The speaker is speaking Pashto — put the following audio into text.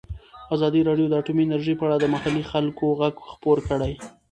ازادي راډیو د اټومي انرژي په اړه د محلي خلکو غږ خپور کړی.